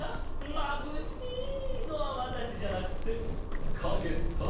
「まぶしい！」のはわたしじゃなくてかげさ！